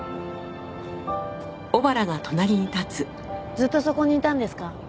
ずっとそこにいたんですか？